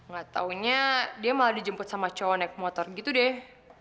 gak taunya dia malah dijemput sama cowok naik motor gitu deh